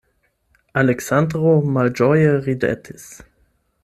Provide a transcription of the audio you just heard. Aleksandro malĝoje ridetis.